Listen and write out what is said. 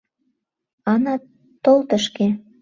Ана, тол тышке!